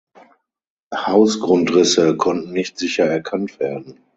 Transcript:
Hausgrundrisse konnten nicht sicher erkannt werden.